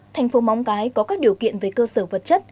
thành phố móng cái có các điều kiện về cơ sở vật chất